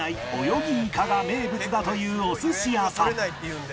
泳ぎイカが名物だというお寿司屋さん